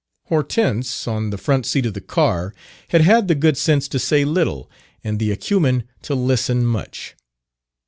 Hortense, on the front seat of the car, had had the good sense to say little and the acumen to listen much.